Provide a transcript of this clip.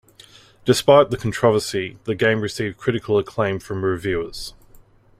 Despite the controversy, the game received critical acclaim from reviewers.